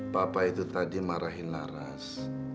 papa itu tadi marahin laras